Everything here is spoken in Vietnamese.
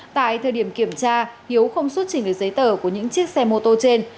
tại thời điểm kiểm tra hiếu không xuất trình được giấy tờ của những chiếc xe mô tô trên